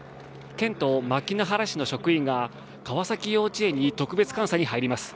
県と牧之原市の職員が川崎幼稚園に特別監査に入ります。